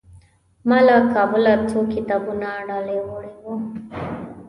ما له کابله څو کتابونه ډالۍ وړي وو.